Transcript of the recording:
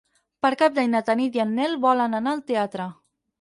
Per Cap d'Any na Tanit i en Nel volen anar al teatre.